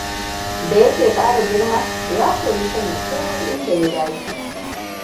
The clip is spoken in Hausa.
Da yake kara girma, ya koyi sanya komai inda ya dace.